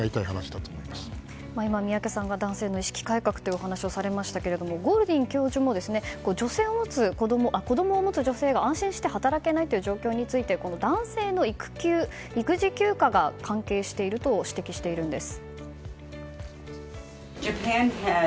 今、宮家さんが男性の意識改革というお話をされましたがゴールディン教授も子供を持つ女性が安心して働けない状況について男性の育児休暇が関係していると指摘しているんです。